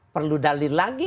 perlu dalil lagi